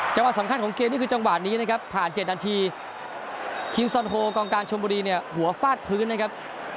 สำคัญของเกมนี่คือจังหวะนี้นะครับผ่าน๗นาทีคิมซอนโฮกองการชมบุรีเนี่ยหัวฟาดพื้นนะครับ